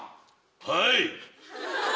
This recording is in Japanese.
はい！